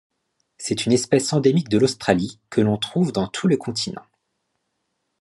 C'est une espèce endémique de l'Australie que l'on trouve dans tout le continent.